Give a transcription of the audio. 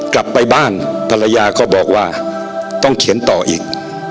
กลับไปบ้านภรรยาก็บอกว่าต้องเขียนต่ออีก